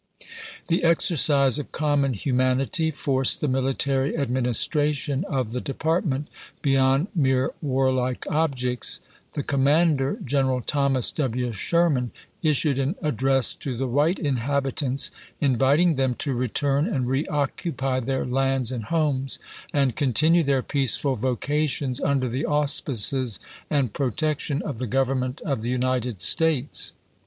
The exercise of common humanity forced the military administration of the department beyond mere warlike objects. The commander. General Thomas W. Sherman, issued an address to the nov.7,i86l white inhabitants, inviting them to return and re occupy their lands and homes, and continue their peaceful vocations under the auspices and protec tion of the Government of the United States.